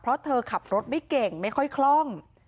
เพราะเธอขับรถไม่เก่งไม่ค่อยคล่อง